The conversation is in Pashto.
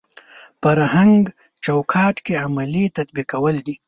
فرهنګ چوکاټ کې عملي تطبیقول دي.